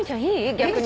逆に。